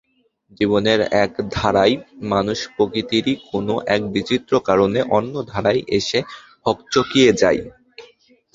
জীবনের এক ধারায় মানুষ প্রকৃতিরই কোনো- এক বিচিত্র কারণে অন্য ধারায় এসে হকচকিয়ে যায়।